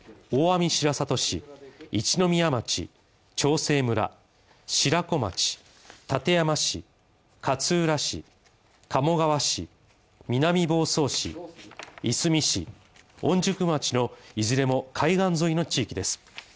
大網白里市一宮町、長生村、白子町館山市、勝浦市鴨川市、南房総市いすみ市、御宿町のいずれも、海岸沿いの地域です。